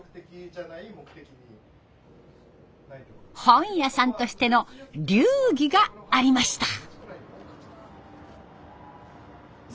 本屋さんとしての流儀がありました。